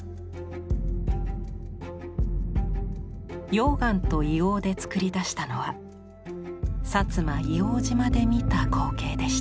溶岩と硫黄で作り出したのは摩硫黄島で見た光景でした。